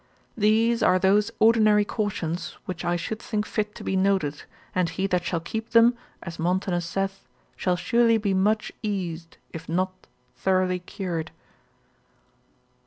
These are those ordinary cautions, which I should think fit to be noted, and he that shall keep them, as Montanus saith, shall surely be much eased, if not thoroughly cured.